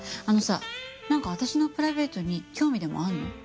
あのさなんか私のプライベートに興味でもあんの？